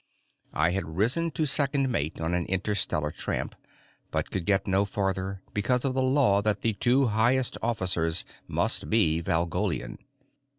I had risen to second mate on an interstellar tramp, but could get no further because of the law that the two highest officers must be Valgolian.